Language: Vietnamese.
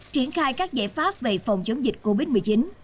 triển khai các giải pháp về phòng chống dịch covid một mươi chín